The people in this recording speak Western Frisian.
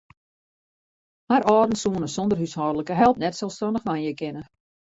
Har âlden soene sonder húshâldlike help net selsstannich wenje kinne.